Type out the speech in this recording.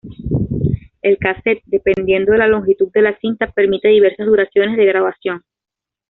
El casete, dependiendo de la longitud de la cinta, permite diversas duraciones de grabación.